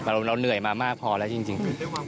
เราเหนื่อยมามากพอแล้วจริง